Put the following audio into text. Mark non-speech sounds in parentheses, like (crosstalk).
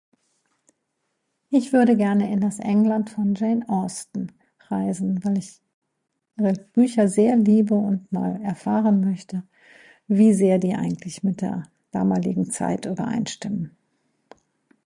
Ich würde gerne in das England von Jane Austens reisen, weil ich (unintelligible) Bücher sehr liebe und mal erfahren möchte, wie sehr eigentlich mit der damaligen Zeit übereinstimmen.